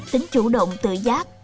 tính chủ động tự giác